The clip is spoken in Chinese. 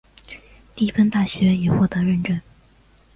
蒂芬大学已获得认证。